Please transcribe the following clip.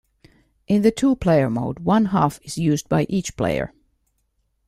In the two-player mode one half is used by each player.